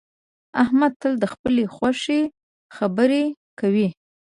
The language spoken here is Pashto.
احمد تل د خپلې خوښې خبرې کوي